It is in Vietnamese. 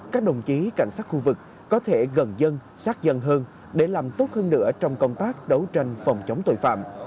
các đồng chí cảnh sát khu vực có thể gần dân sát dân hơn để làm tốt hơn nữa trong công tác đấu tranh phòng chống tội phạm